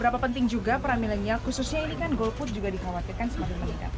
berapa penting juga peran milenial khususnya ini kan golput juga dikhawatirkan sebagai peran milenial